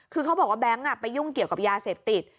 คือเขาบอกว่าแบงค์ไปยุ่งเกี่ยวกับยาเสพติด